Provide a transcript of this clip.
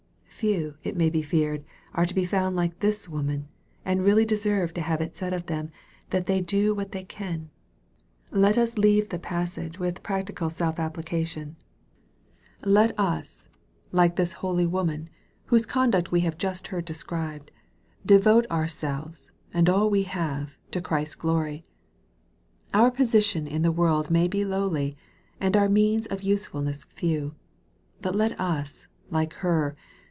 Few, it may be feared, are to be found like this woman, and really deserve to have it said of fehem, that they " do what they can." Let us leave the passage with practical self applicaton MARK, CHAP. XIV. 301 Let us, like this holy woman, whose conduct we have just heard described, devote ourselves, and all we have, to Christ's glory. Our position in the world may he lowly, and our means of usefulness few. But let us, like her.